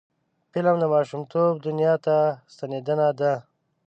فلم د ماشومتوب دنیا ته ستنیدنه ده